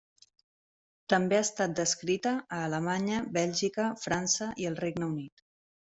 També ha estat descrita a Alemanya, Bèlgica, França i el Regne Unit.